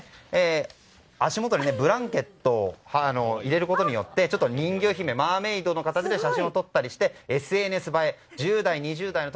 足元にブランケットを入れることによって人魚姫、マーメイドの形写真を撮ったりしてＳＮＳ映え１０代２０代の